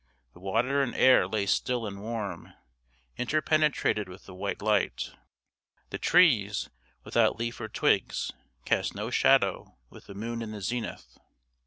The water and air lay still and warm, inter penetrated with the white light. The trees, without leaf or twigs, cast no shadow with the moon in the zenith.